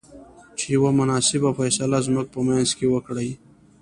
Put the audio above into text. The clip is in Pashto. چې يوه مناسبه فيصله زموږ په منځ کې وکړۍ.